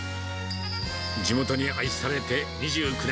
地元に愛されて２９年。